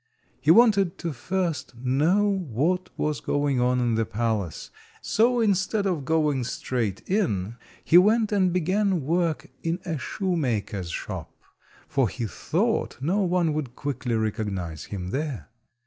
He wanted to first know what was going on in the palace, so instead of going straight in he went and began work in a shoemaker's shop, for he thought no one would quickly recognise him there.